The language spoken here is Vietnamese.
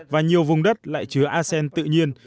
và nhiều vùng đất lại chứa arsen tự nhiên